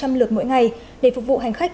mỗi ngày để phục vụ hành khách